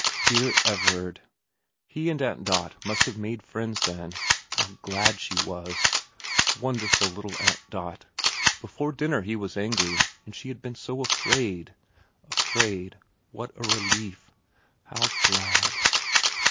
. dear Everard ... he and Aunt Dot must have made friends then ... how glad she was ... wonderful little Aunt VERA 365 Dot ... before dinner he was angry, and she had been so afraid ... afraid ... what a relief ... how glad.